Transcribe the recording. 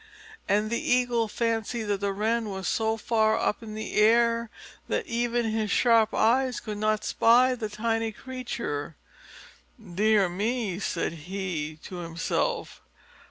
And the Eagle fancied the Wren was so far up in the air that even his sharp eyes could not spy the tiny creature. "Dear me!" said he to himself.